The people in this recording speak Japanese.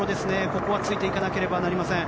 ここはついていかなければなりません。